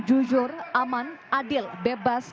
jujur aman adil bebas